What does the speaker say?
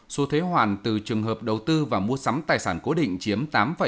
số thuế hoàn từ trường hợp đầu tư và mua sắm tài sản cố định chiếm tám tám